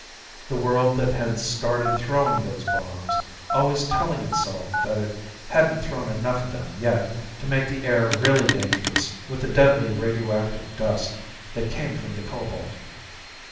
The world that had started throwing those bombs, always telling itself that it hadn't thrown enough of them yet to make the air really dangerous with the deadly radioactive dust that came from the cobalt.